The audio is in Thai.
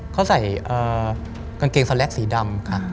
เขาใส่กางเกงสแล็กสีดำค่ะ